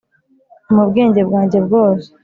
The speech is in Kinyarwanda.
mu bwenge bwanjye bwose